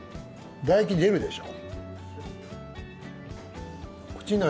だ液、出るでしょ？